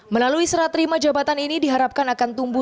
melalui serat terima jabatan ini diharapkan akan tumbuh